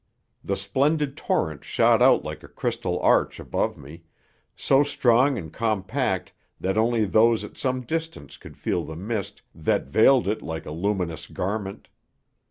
The splendid torrent shot out like a crystal arch above me so strong and compact that only those at some distance could feel the mist that veiled it like a luminous garment.